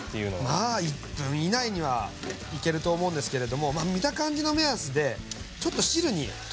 まあ１分以内にはいけると思うんですけれども見た感じの目安でちょっと汁にとろみがついてくるぐらいまで。